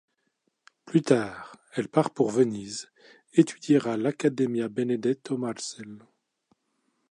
Plus tard, elle part pour Venise, étudier à l'Accademia Benedetto Marcello.